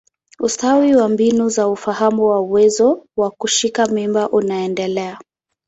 Ustawi wa mbinu za ufahamu wa uwezo wa kushika mimba unaendelea.